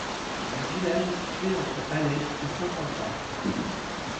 Le village est situé entre Alès et Saint-Ambroix.